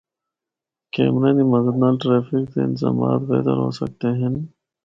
کیمریاں دی مدد نال ٹریفک دے انتظامات بہتر ہو سکدے ہن۔